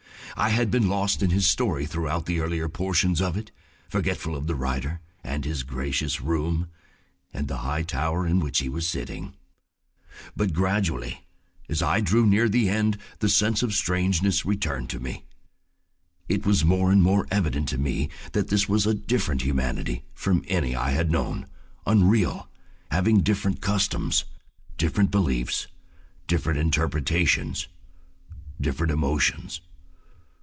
I had been lost in his story throughout the earlier portions of it, forgetful of the writer and his gracious room, and the high tower in which he was sitting. But gradually, as I drew near the end, the sense of strangeness returned to me. It was more and more evident to me that this was a different humanity from any I had known, unreal, having different customs, different beliefs, different interpretations, different emotions.